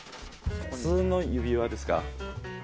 普通の指輪ですか？